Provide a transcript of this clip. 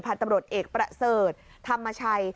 พันธุ์ตำรวจเอกประเสริฐทำมาชัย